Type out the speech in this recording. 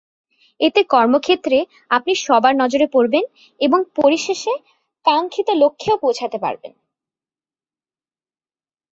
এতে কর্মক্ষেত্রে আপনি সবার নজরে পড়বেন এবং পরিশেষে কাঙ্ক্ষিত লক্ষ্যেও পৌঁছাতে পারবেন।